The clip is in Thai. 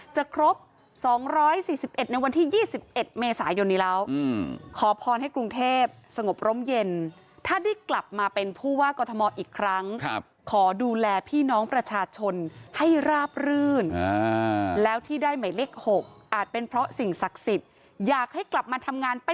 จะครบ๒๔๑ในวันที่๒๑เมษายน